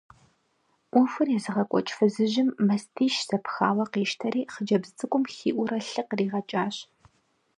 Ӏуэхур езыгъэкӏуэкӏ фызыжьым мастищ зэпхауэ къищтэри хъыджэбз цӏыкӏум хиӏуурэ лъы къригъэкӏащ.